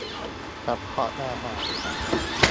กระเพาะอาหาร